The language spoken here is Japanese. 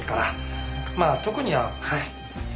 まあ特にははい。